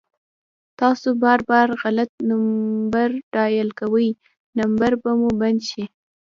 تاسو بار بار غلط نمبر ډائل کوئ ، نمبر به مو بند شي